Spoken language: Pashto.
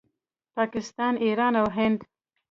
پاکستان، ایران او هند